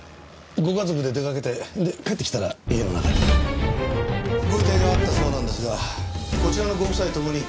ご家族で出かけてで帰ってきたら家の中にご遺体があったそうなんですがこちらのご夫妻ともに知らない男だと言ってます。